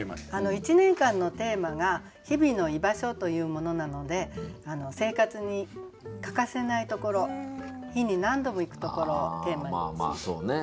１年間のテーマが「日々の居場所」というものなので生活に欠かせないところ日に何度も行くところをテーマに持ってきました。